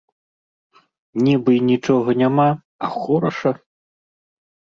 Нібы й нічога няма, а хораша.